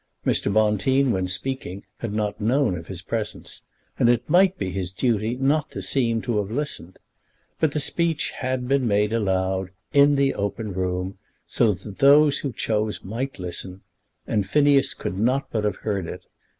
Mr. Bonteen when speaking had not known of his presence, and it might be his duty not to seem to have listened. But the speech had been made aloud, in the open room, so that those who chose might listen; and Phineas could not but have heard it.